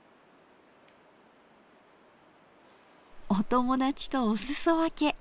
お友達とお裾分け。